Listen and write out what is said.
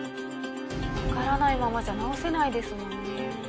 わからないままじゃ治せないですもんね。